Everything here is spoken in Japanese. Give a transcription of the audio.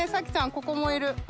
ここもいる。